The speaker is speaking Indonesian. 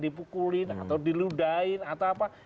dipukulin atau diludain atau apa